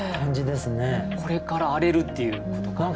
これから荒れるっていうことかな。